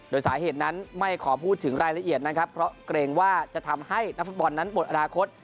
โดยสาเหตุนั้นไม่ขอพูดถึงรายละเอียดนะครับเพราะเกรงว่าจะทำให้นักฟุตบอลนั้นหมดอนาคต